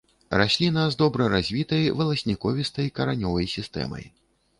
Расліна з добра развітай валасніковістай каранёвай сістэмай.